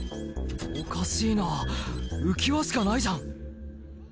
「おかしいな浮輪しかないじゃん」